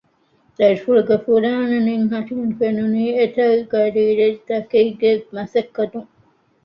ދަރިފުޅުގެ ފުރާނަނެތް ހަށިގަނޑު ފެނުނީ އެތަށް ގަޑިއިރުތަކެއްގެ މަސައްކަތުން